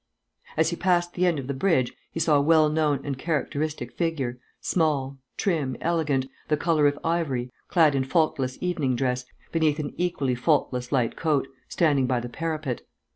As he passed the end of the bridge, he saw a well known and characteristic figure, small, trim, elegant, the colour of ivory, clad in faultless evening dress, beneath an equally faultless light coat, standing by the parapet.